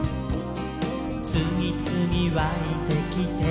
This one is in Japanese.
「つぎつぎわいてきて」